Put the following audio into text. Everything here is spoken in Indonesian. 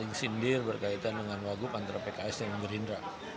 yang sindir berkaitan dengan wagup antara pks dan gerindra